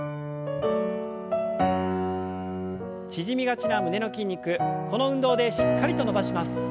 縮みがちな胸の筋肉この運動でしっかりと伸ばします。